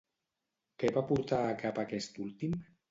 Què va portar a cap aquest últim?